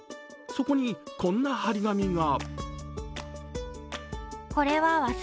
そこに、こんな張り紙が。